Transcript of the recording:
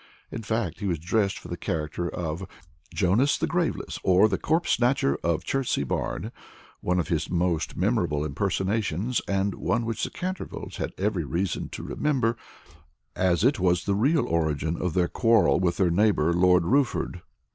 In fact, he was dressed for the character of "Jonas the Graveless, or the Corpse Snatcher of Chertsey Barn," one of his most remarkable impersonations, and one which the Cantervilles had every reason to remember, as it was the real origin of their quarrel with their neighbor, Lord Rufford.